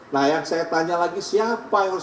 nah yang saya tanya lagi siapa yang harus